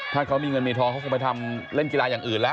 ถ้าเขามีเงินมีทองเขาคงไปทำเล่นกีฬาอย่างอื่นแล้ว